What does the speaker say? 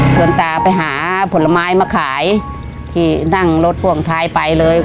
ตาไปหาผลไม้มาขายที่นั่งรถพ่วงท้ายไปเลย